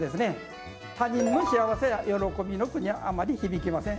他人の幸せや喜びの句にはあまり響きません。